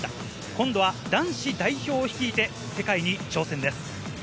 今度は男子代表を率いて世界に挑戦です。